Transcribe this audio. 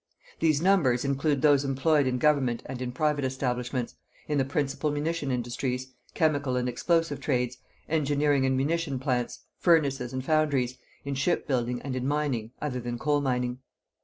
These numbers include those employed in Government and in private establishments, in the principal munition industries, chemical and explosive trades, engineering and munition plants, furnaces and foundries, in shipbuilding and in mining other than coal mining.